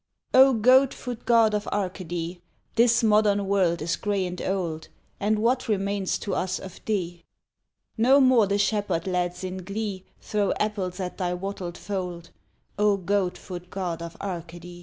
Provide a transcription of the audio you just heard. O GOAT FOOT God of Arcady! This modern world is grey and old, And what remains to us of thee? No more the shepherd lads in glee Throw apples at thy wattled fold, O goat foot God of Arcady!